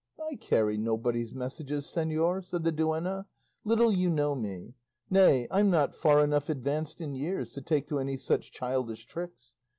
"I carry nobody's messages, señor," said the duenna; "little you know me. Nay, I'm not far enough advanced in years to take to any such childish tricks.